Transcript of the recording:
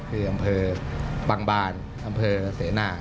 คืออำเภอบางบานอำเภอเสนา